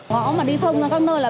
họ mà đi thông ra các nơi là